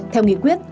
theo nghị quyết